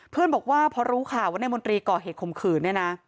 บอกว่าพอรู้ข่าวว่านายมนตรีก่อเหตุข่มขืนเนี่ยนะ